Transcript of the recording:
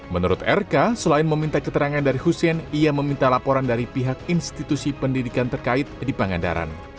menurut rk selain meminta keterangan dari hussein ia meminta laporan dari pihak institusi pendidikan terkait di pangandaran